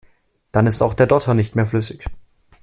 Dann ist auch der Dotter nicht mehr flüssig.